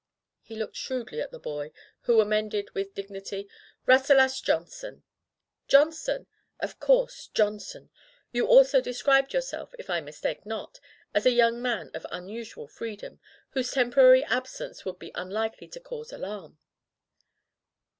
He looked shrewdly at the boy, who amended with dignity — ^"Rasselas John son." "Johnson! Of course, Johnson. You also described yourself, if I mistake not, as a young man of unusual freedom, whose tem porary absence would be unlikely to cause alarm."